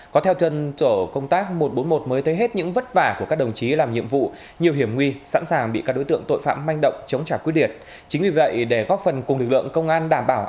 có theo thân tổ công tác hồi nãy các đồng chí đang phải làm những công việc mà các đồng chí đang phải làm